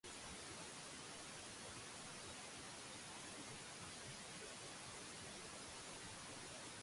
It continues north for about then passes by an abandoned schoolhouse.